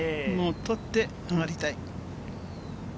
取って上がりたい。